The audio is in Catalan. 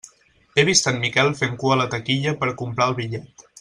He vist en Miquel fent cua a la taquilla per comprar el bitllet.